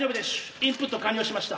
インプット完了しました。